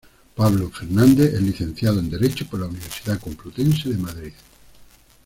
Pablo Fernández es licenciado en Derecho por la Universidad Complutense de Madrid.